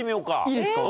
いいですか？